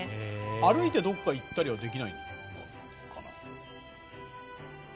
歩いてどこかに行ったりはできないのかな。